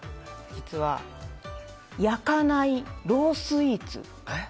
実は、焼かないロースイーツ。